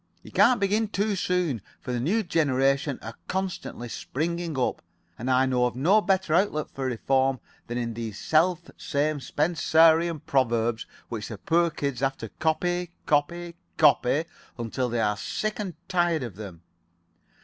You can't begin too soon, for new generations are constantly springing up, and I know of no better outlet for reform than in these self same Spencerian proverbs which the poor kids have to copy, copy, copy, until they are sick and tired of them.